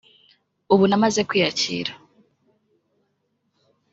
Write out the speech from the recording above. ubu namaze kwiyakira